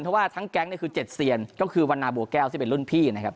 เพราะว่าทั้งแก๊งเนี่ยคือ๗เซียนก็คือวันนาบัวแก้วซึ่งเป็นรุ่นพี่นะครับ